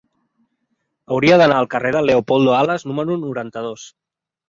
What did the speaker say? Hauria d'anar al carrer de Leopoldo Alas número noranta-dos.